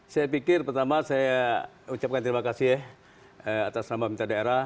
saya pikir pertama saya ucapkan terima kasih atas nama pemerintah daerah